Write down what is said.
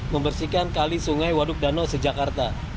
membersihkan kali sungai waduk danau sejak jakarta